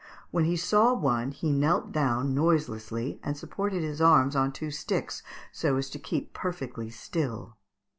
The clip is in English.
When he saw one he knelt down noiselessly, and supported his arms on two sticks, so as to keep perfectly still.